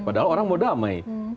padahal orang mau damai